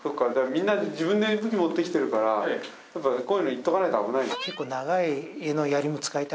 みんな自分で武器持ってきてるからやっぱこういうの言っとかないと危ない。